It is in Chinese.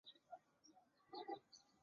最大的激酶族群是蛋白激酶。